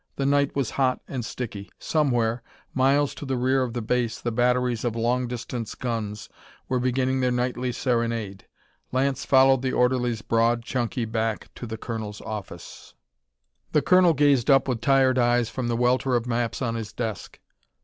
The night was hot and sticky; somewhere, miles to the rear of the base, the batteries of long distance guns were beginning their nightly serenade. Lance followed the orderly's broad, chunky back to the colonel's office. The colonel gazed up with tired eyes from the welter of maps on his desk.